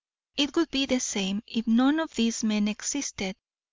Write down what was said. It would be the same if none of these men existed.